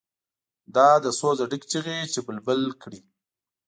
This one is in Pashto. دا له سوزه ډکې چیغې چې بلبل کړي.